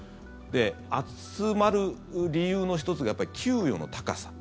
集まる理由の１つが給与の高さ。